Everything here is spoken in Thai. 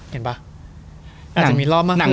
เห็นป่ะอาจจะมีรอบมากขึ้น